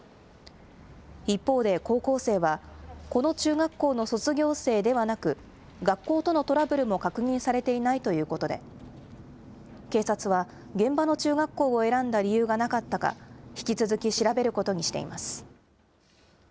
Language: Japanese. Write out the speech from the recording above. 一方で、高校生は、この中学校の卒業生ではなく、学校とのトラブルも確認されていないということで、警察は現場の中学校を選んだ理由がなかったか、引き続き調べることにしています。